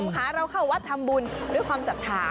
ค่ะเราเข้าวัดทำบุญด้วยความศรัทธา